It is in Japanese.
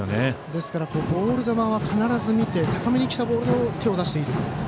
ですからボール球は必ず見て高めにきたボールに手を出している。